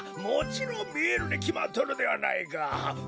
もちろんみえるにきまっとるではないか。